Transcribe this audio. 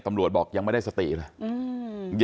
ตำรวจบอกยังไม่ได้สติเลย